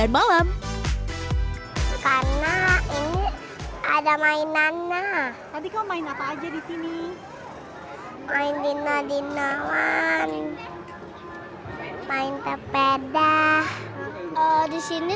malam karena ini ada mainannya tadi kau main apa aja di sini main dina dina one main tepeda di sini